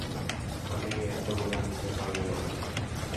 আমি এতগুলো নিতে পারব না।